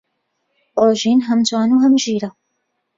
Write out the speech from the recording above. ڕۆژین هەم جوان و هەم ژیرە.